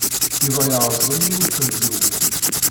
Yuba yerẓem yiwet n tzewwut.